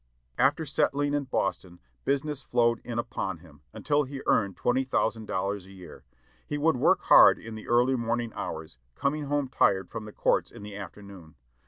After settling in Boston, business flowed in upon him, until he earned twenty thousand dollars a year. He would work hard in the early morning hours, coming home tired from the courts in the afternoon.